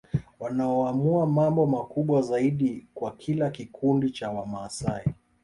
Wanaoamua mambo makubwa zaidi kwa kila kikundi cha Wamasai